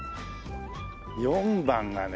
４番がね